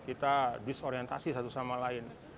kita disorientasi satu sama lain